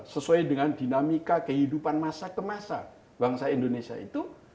sesuai dengan dinamika kehidupan masa ke masa bangsa indonesia itu